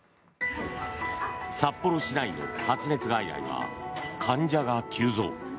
札幌市内の発熱外来は患者が急増。